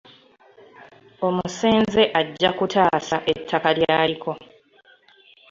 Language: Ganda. Omusenze ajja kutaasa ettaka lyaliko